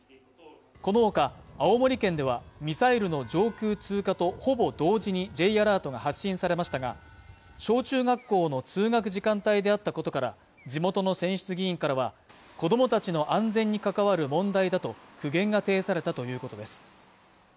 このほか青森県ではミサイルの上空通過とほぼ同時にＪアラートが発信されましたが小中学校の通学時間帯であったことから地元の選出議員からは子どもたちの安全に関わる問題だと苦言が呈されたということです